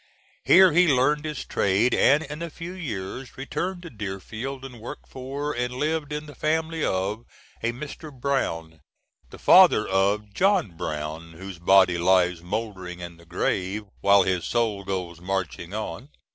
Here he learned his trade, and in a few years returned to Deerfield and worked for, and lived in the family of a Mr. Brown, the father of John Brown "whose body lies mouldering in the grave, while his soul goes marching on."